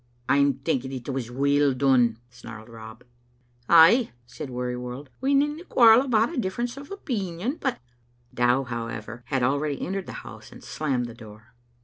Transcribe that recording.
" I'm thinking it was weel dune," snarled Rob. "Ay," said Wearyworld, "we needna quarrel about a difference o' opeenion ; but, Rob " Dow, however, had already entered the house and slammed the door.